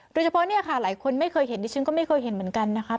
โดยเฉพาะเนี่ยค่ะหลายคนไม่เคยเห็นดิฉันก็ไม่เคยเห็นเหมือนกันนะคะ